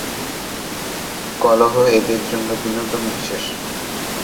কলহ এদের জন্য একটি বিনোদন বিশেষ।